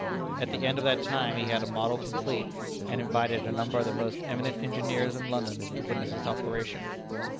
At the end of that time he had a model complete, and invited a number of the most eminent engineers of London to witness its operation.